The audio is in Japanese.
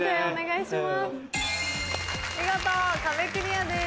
お願いします。